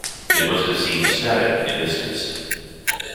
It must have seemed static and distanced.